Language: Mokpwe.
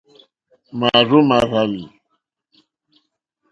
Màrzô màrzàlì.